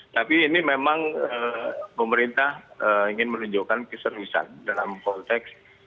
tapi ini memang pemerintah ingin menunjukkan keseriusan dalam konteks